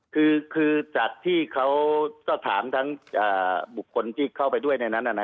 คือจากที่เขาก็ถามทั้งบุคคลที่เข้าไปด้วยในนั้น